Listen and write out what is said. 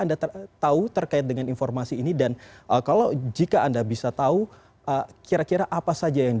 anda tahu terkait dengan informasi ini dan kalau jika anda bisa tahu kira kira apa saja yang